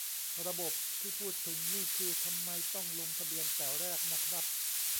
"ระบบ" ที่พูดถึงนี่คือ ทำไมต้องลงทะเบียนแต่แรกน่ะครับ